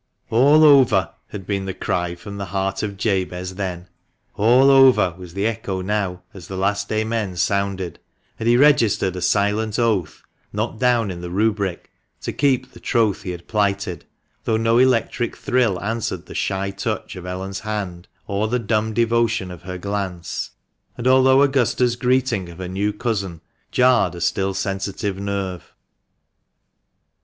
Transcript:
"All over!" had been the cry from the heart of Jabez then. "All over!" was the echo now, as the last "Amen" sounded, and he registered a silent oath, not down in the rubric, to keep the troth he had plighted, although no electric thrill answered the shy touch of Ellen's hand, or the dumb devotion of her glance, and although Augusta's greeting of her new " cousin " jarred a still sensitive nerve.